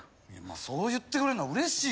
そう言ってくれるのはうれしいけどさ。